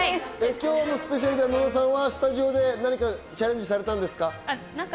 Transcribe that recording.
今日のスペシャルでは、野田さんはスタジオで何かチャレンジされたんですか？